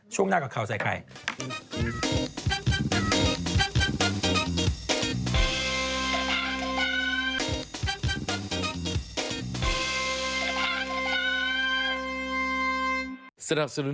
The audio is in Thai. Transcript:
ช่วงหน้ากับเขาใส่ใคร